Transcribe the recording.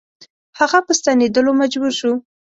هغه په ستنېدلو مجبور شو.